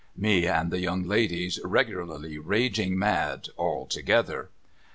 ' Me and the young ladies regularly raging mad all together.